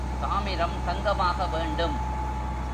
தாமிரம் தங்கமாக வேண்டும்.